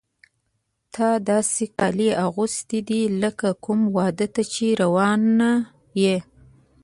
تا داسې کالي اغوستي دي لکه کوم واده ته چې روانه یې.